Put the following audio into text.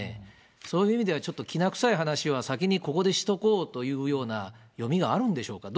そういう意味ではちょっときなくさい話は先にここでしておこうというような読みがあるんでしょうか。